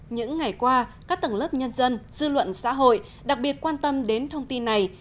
những ngày qua các tầng lớp nhân dân dư luận xã hội đặc biệt quan tâm đến thông tin này